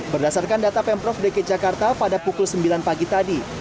berdasarkan data pemprov dki jakarta pada pukul sembilan pagi tadi